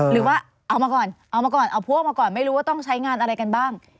หรือว่าเอามาก่อนเอามาก่อนเอาพวกมาก่อนไม่รู้ว่าต้องใช้งานอะไรกันบ้าง